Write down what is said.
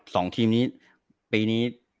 สองทีมนี้ปีนี้